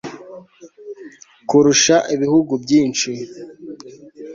kurusha ibihugu byinshi